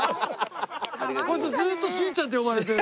こいつずっとしーちゃんって呼ばれてる。